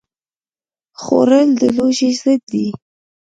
خوړل د لوږې ضد دی